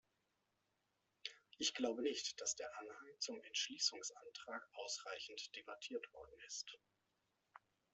Ich glaube nicht, dass der Anhang zum Entschließungsantrag ausreichend debattiert worden ist.